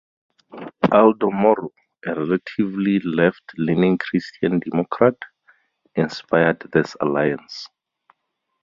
Aldo Moro, a relatively left-leaning Christian democrat, inspired this alliance.